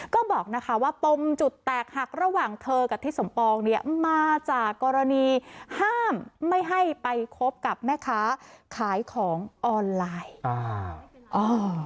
ก็บอกนะคะว่าปมจุดแตกหักระหว่างเธอกับทิศสมปองเนี่ยมาจากกรณีห้ามไม่ให้ไปคบกับแม่ค้าขายของออนไลน์อ่า